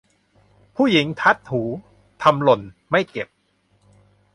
ผู้หญิงทัดหู ทำหล่นไม่เก็บ